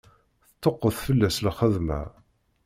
Teṭṭuqqet fell-as lxedma.